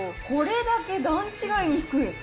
これだけ段違いに低い。